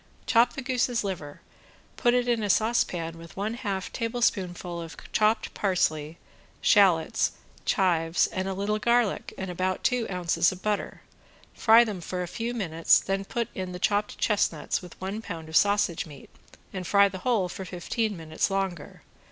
Chop the goose's liver, put it in a saucepan with one half tablespoonful of chopped parsley, shallots, chives, and a little garlic and about two ounces of butter, fry them for a few minutes, then put in the chopped chestnuts with one pound of sausage meat, and fry the whole for fifteen minutes longer.